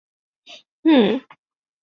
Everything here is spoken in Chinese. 萧族部族回鹘裔。